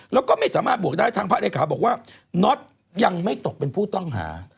แล้วก็ไม่สามารถบวกได้ทางพระเลขาบอกว่าน็อตยังไม่ตกเป็นผู้ต้องหา